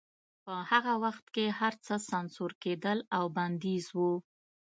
په هغه وخت کې هرڅه سانسور کېدل او بندیز و